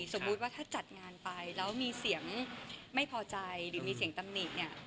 สมมุติว่าถ้าจัดงานไปแล้วมีเสียงไม่พอใจหรือมีเสียงตำหนิเนี่ย